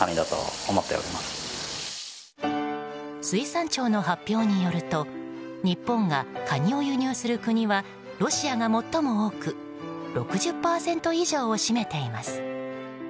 水産庁の発表によると日本がカニを輸入する国はロシアが最も多く６０％以上を占めています。